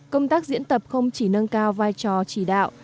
công tác diễn tập không chỉ nâng cao vai trò chỉ đạo